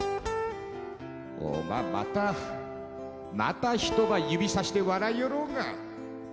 「おまえまたまた人ば指さして笑いよろうが」